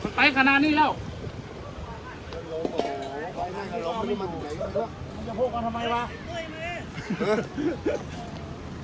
สวัสดีครับ